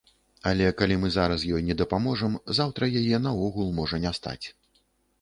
Але калі мы зараз ёй не дапаможам, заўтра яе наогул можа не стаць.